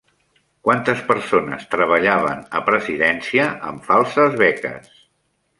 Quantes persones treballaven a Presidència amb 'falses beques'?